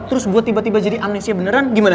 terus gue tiba tiba jadi amnesia beneran gimana